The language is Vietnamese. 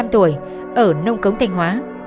hai mươi năm tuổi ở nông cống thanh hóa